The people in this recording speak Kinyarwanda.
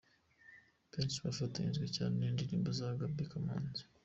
Benshi bafashijwe cyane n'indirimbo za Gaby Kamanzi.